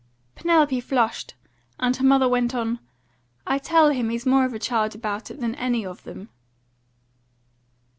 Penelope flushed, and her mother went on: "I tell him he's more of a child about it than any of them."